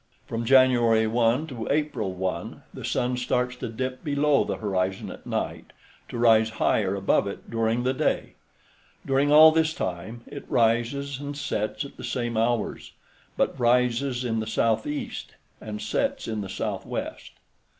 From January 1 to April 1, the sun starts to dip below the horizon at night, to rise higher above it during the day. During all this time it rises and sets at the same hours, but rises in the southeast and sets in the southwest.